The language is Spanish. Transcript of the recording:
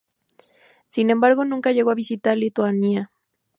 Sin embargo, nunca llegó a visitar Lituania.